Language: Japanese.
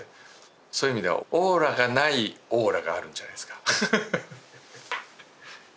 そういう意味ではオーラがないオーラがあるんじゃないですか。